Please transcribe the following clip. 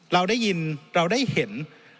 เราได้ยินเราได้เห็น